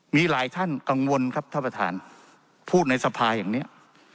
มีหลายท่านกังวลครับท่านประธานพูดในสภาอย่างนี้